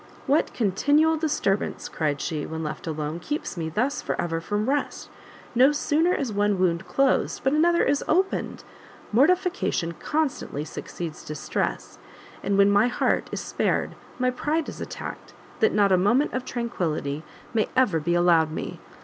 "What continual disturbance," cried she, when left alone, "keeps me thus for ever from rest! no sooner is one wound closed, but another is opened; mortification constantly succeeds distress, and when my heart is spared; my pride is attacked, that not a moment of tranquility may ever be allowed me!